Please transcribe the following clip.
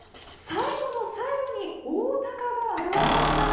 最後の最後にオオタカが現れました。